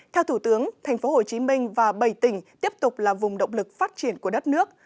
theo thủ tướng tp hcm và bảy tỉnh tiếp tục là vùng động lực phát triển của đất nước